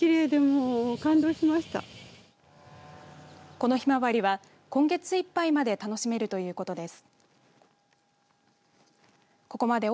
このひまわりは今月いっぱいまで楽しめるということです。